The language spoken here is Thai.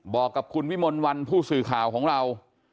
บอกกับคุณวิมลวันผู้สื่อข่าวของเรา